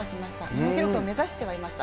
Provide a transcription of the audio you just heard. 日本記録を目指してはいました。